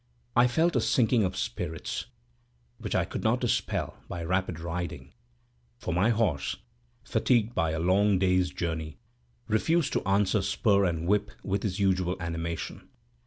I felt a sinking of spirits which I could not dispel by rapid riding; for my horse, fatigued by a long day's journey, refused to answer spur and whip with his usual animation.